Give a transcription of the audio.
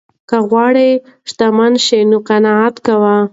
که غواړې شتمن شې نو قناعت کوه.